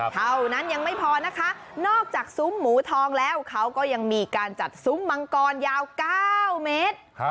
เท่านั้นยังไม่พอนะคะนอกจากซุ้มหมูทองแล้วเขาก็ยังมีการจัดซุ้มมังกรยาว๙เมตร